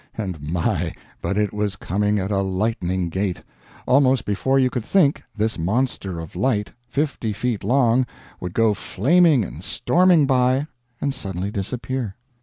And my, but it was coming at a lightning gait! Almost before you could think, this monster of light, fifty feet long, would go flaming and storming by, and suddenly disappear.